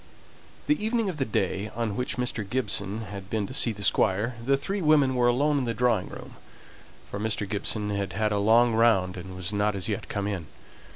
The evening of the day on which Mr. Gibson had been to see the Squire, the three women were alone in the drawing room, for Mr. Gibson had had a long round and was not as yet come in.